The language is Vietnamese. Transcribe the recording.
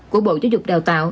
của bộ chủ tục đào tạo